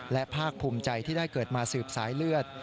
และภาคภูมิใจที่ได้เกิดมาสืบสายเลือด